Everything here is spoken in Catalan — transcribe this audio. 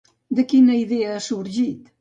De quina idea ha sorgit?